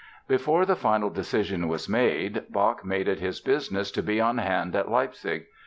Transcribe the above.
Before the final decision was made, Bach made it his business to be on hand at Leipzig.